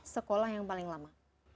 sekolah yang paling lama